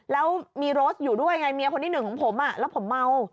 แล้วมีโรสอยู่ด้วยไงเมียคนที่หนึ่งของผมแล้วผมเมา